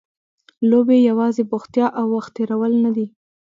لوبې یوازې بوختیا او وخت تېرول نه دي.